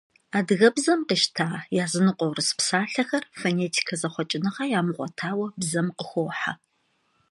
Адыгэбзэм къищта языныкъуэ урыс псалъэхэр фонетикэ зэхъуэкӏыныгъэ ямыгъуэтауэ бзэм къыхохьэ.